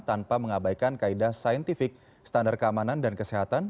tanpa mengabaikan kaedah saintifik standar keamanan dan kesehatan